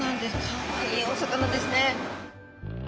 かわいいお魚ですね。